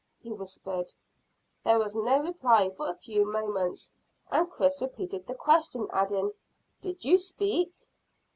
he whispered. There was no reply for a few moments, and Chris repeated the question, adding, "Did you speak?"